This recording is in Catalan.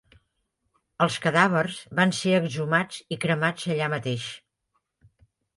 Els cadàvers van ser exhumats i cremats allà mateix.